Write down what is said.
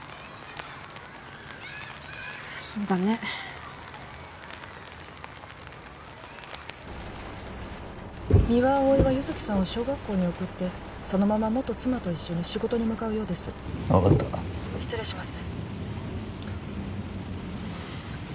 そうだね三輪碧は優月さんを小学校に送ってそのまま元妻と一緒に仕事に向かうようです分かった☎失礼します